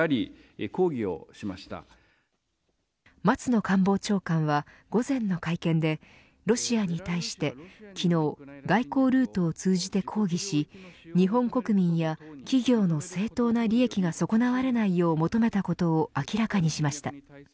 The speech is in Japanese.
松野官房長官は午前の会見でロシアに対して昨日、外交ルートを通じて抗議し日本国民や企業の正当な利益が損なわれないよう求めたことを明らかにしました。